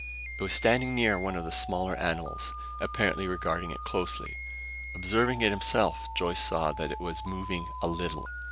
It was standing near one of the smaller animals, apparently regarding it closely. Observing it himself, Joyce saw that it was moving a little.